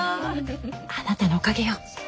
あなたのおかげよ。